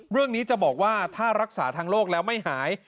เรื่องนี้จะบอกว่าถ้ารักษาทางโลกแล้วไม่หาย